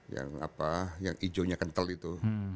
yang apa yang ijo nya kental itu